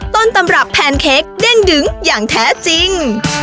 ต้นตำรับแพนเค้กเด้งดึงอย่างแท้จริง